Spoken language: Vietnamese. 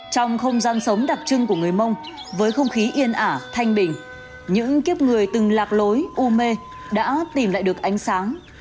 trong không gian sống đặc trưng của người mông với không khí yên ả thanh bình những kiếp người từng lạc lối u mê đã tìm lại được ánh sáng